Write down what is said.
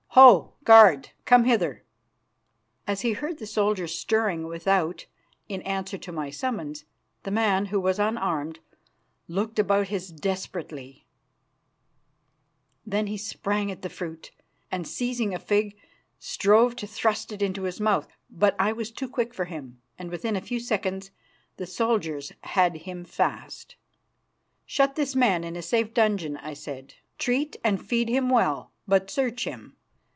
Ho! guard, come hither." As he heard the soldiers stirring without in answer to my summons, the man, who was unarmed, looked about his desperately; then he sprang at the fruit, and, seizing a fig, strove to thrust it into his mouth. But I was too quick for him, and within a few seconds the soldiers had him fast. "Shut this man in a safe dungeon," I said. "Treat and feed him well, but search him.